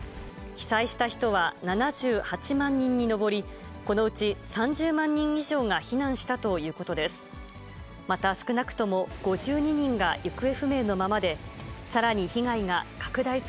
被災した人は７８万人に上り、このうち３０万人以上が避難したということです。